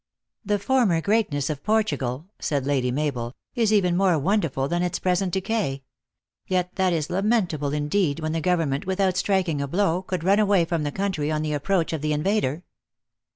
"The former greatness of Portugal," said Lady Mabel, "is even more wonderful than its present decay. Yet that is lamentable, indeed, when the gov ernment, without striking a blow, could run away from the country on the approach of the invader."